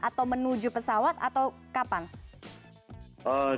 atau menuju pesawat atau kapan